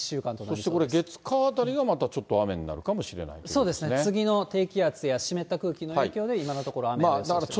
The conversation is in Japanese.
そしてこれ、月、火、あたりがまたちょっと雨になるかもしれそうですね、次の低気圧や湿った空気の影響で今のところ雨の予想となっています。